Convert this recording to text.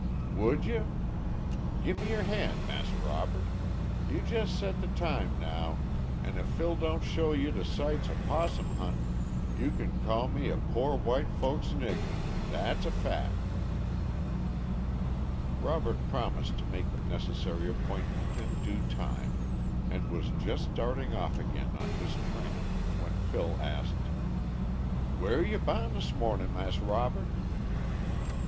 "Would ye? Gim me yer han' Mas' Robert. You jes set de time now, and if Phil don't show you de sights o' 'possum huntin' you ken call me a po' white folkses nigger. Dat's a fac'." Robert promised to make the necessary appointment in due time, and was just starting off again on his tramp, when Phil asked: "Whare ye boun' dis mornin', Mas' Robert?"